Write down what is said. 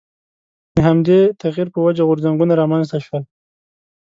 د همدې تغییر په وجه غورځنګونه رامنځته شول.